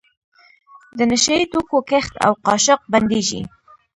د نشه یي توکو کښت او قاچاق بندیږي.